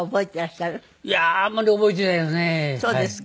いやあんまり覚えていないですね。